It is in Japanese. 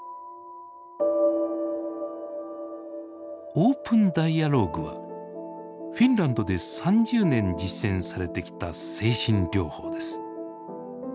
オープンダイアローグはフィンランドで３０年実践されてきた精神療法です。